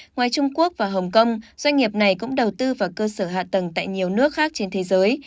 ngoài trung quốc và hồng kông doanh nghiệp này cũng đầu tư vào cơ sở hạ tầng tại nhiều nước khác trên thế giới